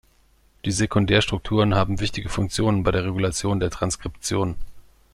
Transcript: Die Sekundärstrukturen haben wichtige Funktionen bei der Regulation der Transkription.